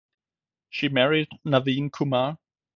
She married Naveen Kumar.